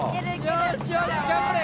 よしよし頑張れ。